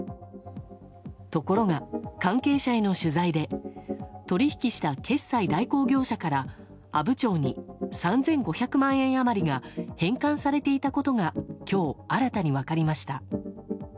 ところが関係者への取材で取引した決済代行業者から阿武町に３５００万円余りが返還されていたことが今日、新たに分かりました。